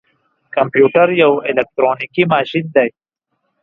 کمپيوټر يو اليکترونيکي ماشين دی.